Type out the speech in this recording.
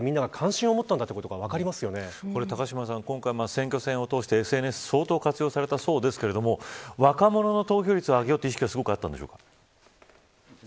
選挙戦を通してＳＮＳを相当活用されたようですが若者の投票率を上げようという意識はあったんですか。